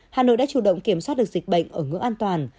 hà nội đã chủ động kiểm soát được dịch bệnh ở ngưỡng an toàn